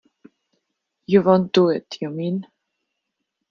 You won't do it, you mean?